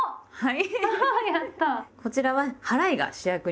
はい。